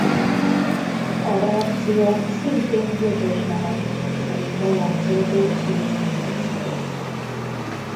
A reakció szintén gyökös mechanizmus szerint lejátszódó szubsztitúció.